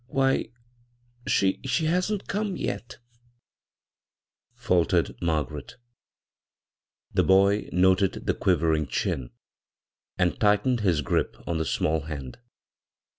"Why, she hasn't — come — yet I" faltered Margaret The boy noted the quivering diin, and tightened bis grip on the small hand.